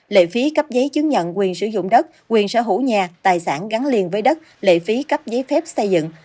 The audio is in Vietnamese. lệ phí cấp giấy chứng nhận quyền sử dụng đất quyền sở hữu nhà tài sản gắn liền với đất lệ phí cấp giấy phép xây dựng